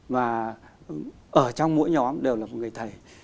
và ở trong mỗi nhóm đều là một người thầy